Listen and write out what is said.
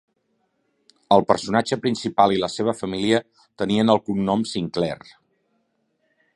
El personatge principal i la seva família tenien el cognom Sinclair.